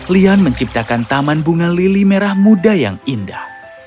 lian menciptakan taman bunga lili merah muda yang indah